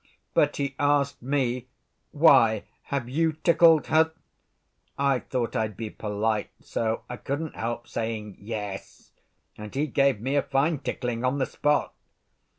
But he asked me, 'Why, have you tickled her?' I thought I'd be polite, so I couldn't help saying, 'Yes,' and he gave me a fine tickling on the spot.